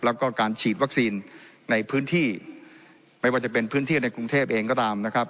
แล้วก็การฉีดวัคซีนในพื้นที่ไม่ว่าจะเป็นพื้นที่ในกรุงเทพเองก็ตามนะครับ